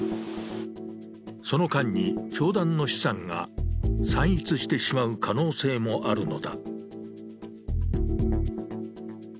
その間に教団の資産が散逸してしまう可能性もあるのだ。